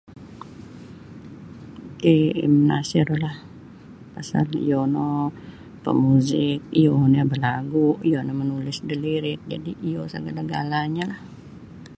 ii Im Nasirlah pasal iyo no pamuzik iyo nio balagu' iyo nio manulis da lirik jadi' iyo sagala-galanyo.